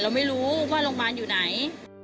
เราไม่รู้ว่าโรงพยาบาลอยู่ไหน